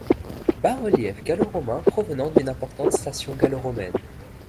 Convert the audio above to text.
Bas-relief gallo-romain provenant d'une importante station gallo-romaine.